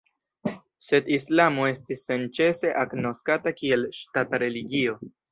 Sed islamo estis senĉese agnoskata kiel ŝtata religio.